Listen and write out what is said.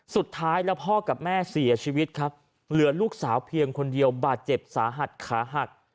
สุดท้ายแล้วพ่อกับแม่เสียชีวิตครับเหลือลูกสาวเพียงคนเดียวบาดเจ็บสาหัสขาหัก